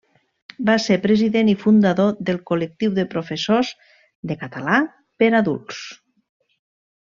Va ser president i fundador del Col·lectiu de Professors de Català per Adults.